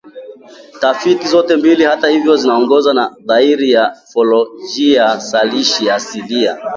Tafiti zote mbili hata hivyo zimeongozwa na nadharia ya Fonolojia Zalishi Asilia